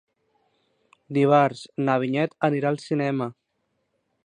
Dimarts na Vinyet anirà al cinema.